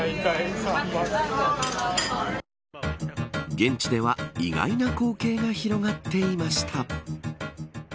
現地では意外な光景が広がっていました。